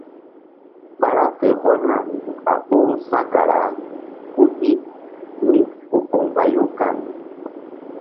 Ɓa ra fe hɔlna nzuk a ɓoru sa̧kara ku i míku poŋ ɓayu kan.